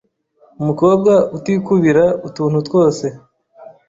Umukobwa utikubira utuntu twose